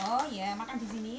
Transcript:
oh iya makan di sini